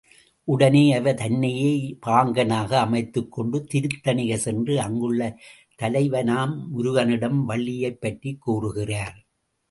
உடனே அவர் தன்னையே பாங்கனாக அமைத்துக் கொண்டு திருத்தணிகை சென்று அங்குள்ள தலைவனாம் முருகனிடம் வள்ளியைப் பற்றிக் கூறுகிறார்.